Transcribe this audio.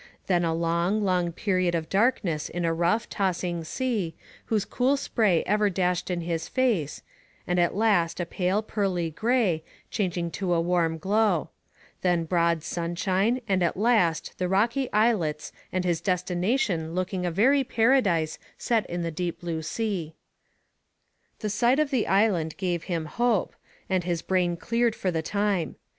Then a long, long period of darkness in a rough, tossing sea, whose cool spray ever dashed in his face, and at last a pale pearly gray, changing to a warm glow ; then broad sun shine, and at last the rocky islets and his destina tion looking a very paradise set in the deep blue sea. The sight of the island gave him hope, and his brain cleared for the time.